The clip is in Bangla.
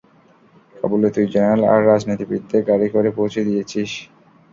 কাবুলে তুই জেনারেল আর রাজনীতিবিদদের গাড়ি করে পৌছে দিয়েছিস।